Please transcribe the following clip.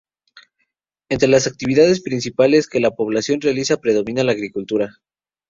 Entre las actividades principales que la población realiza predomina la agricultura.